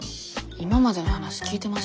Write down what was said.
今までの話聞いてました？